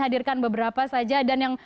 hadirkan beberapa saja dan yang